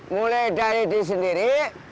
mulai dari di sendiri